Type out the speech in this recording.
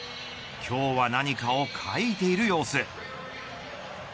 今日は何かを書いている様子。